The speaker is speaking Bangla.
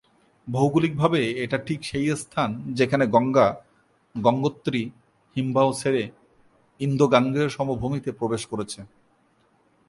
ভৌগলিকভাবে এটা ঠিক সেই স্থান যেখানে গঙ্গা গঙ্গোত্রী হিমবাহ ছেড়ে ইন্দো-গাঙ্গেয় সমভূমিতে প্রবেশ করেছে।